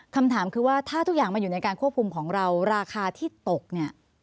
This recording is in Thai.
คำถามคือว่าถ้าทุกอย่างมันอยู่ในการควบคุมของเราราคาที่ตกเนี่ย